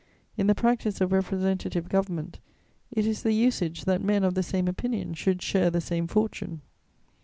In the practice of representative government, it is the usage that men of the same opinion should share the same fortune.